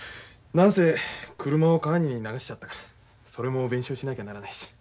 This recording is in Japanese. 何せ車を川に流しちゃったからそれも弁償しなきゃならないし。